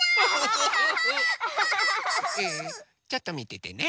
ちょっとみててね。